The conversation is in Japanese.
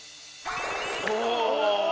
お！